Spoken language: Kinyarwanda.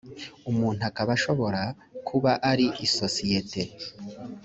umuntu akaba ashobora kuba ari isosiyete